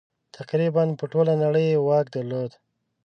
تقریباً پر ټوله نړۍ یې واک درلود.